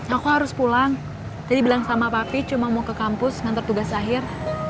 aku harus pulang tadi bilang sama papi cuma mau ke kampus ngantar tugas akhir